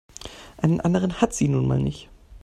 Einen anderen hat sie nun mal nicht.